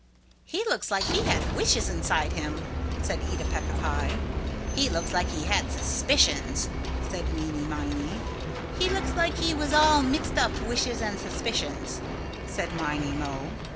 "He looks like he had wishes inside him," said Eeta Peeca Pie. "He looks like he had suspicions," said Meeney Miney. "He looks like he was all mixed up wishes and suspicions," said Miney Mo.